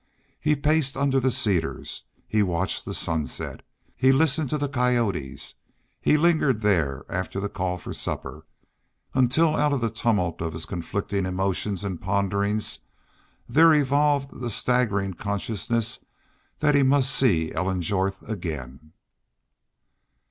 He paced under the cedars. He watched the sun set. He listened to the coyotes. He lingered there after the call for supper; until out of the tumult of his conflicting emotions and ponderings there evolved the staggering consciousness that he must see Ellen Jorth again.